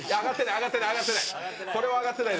上がってない、上がってない。